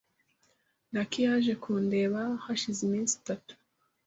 Lucy yaje kundeba hashize iminsi itatu.